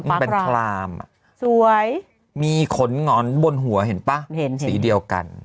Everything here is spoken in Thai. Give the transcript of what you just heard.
นี่เป็นครามอ่ะสวยมีข้นหงอนบนหัวเห็นป่ะสีเดี่ยวกัน